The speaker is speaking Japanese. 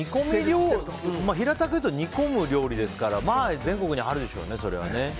平たく言うと煮込む料理ですから全国にあるでしょうね。